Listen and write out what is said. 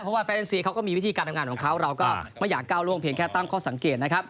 เพราะว่าแฟนซีเขาก็มีวิธีการทำงานของเขาเราก็ไม่อยากก้าวล่วงเพียงแค่ตั้งข้อสังเกตนะครับ